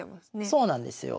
そうなんですよ。